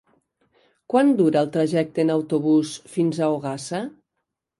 Quant dura el trajecte en autobús fins a Ogassa?